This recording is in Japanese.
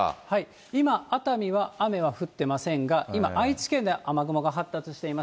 今、熱海は雨は降ってませんが、今、愛知県で雨雲が発達しています。